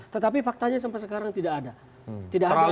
tetapi faktanya sampai sekarang tidak ada